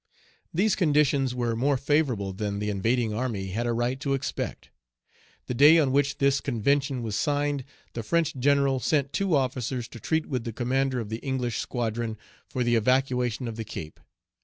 These conditions were more favorable than the invading army had a right to expect. The day on which this convention was signed, the French general sent two officers to treat with the commander of the English squadron for the evacuation of the Cape.